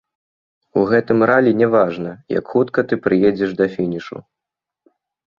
У гэтым ралі не важна, як хутка ты прыедзеш да фінішу.